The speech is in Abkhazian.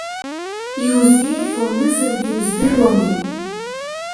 Иузеиӷьу анызаргьы уздыруамеи.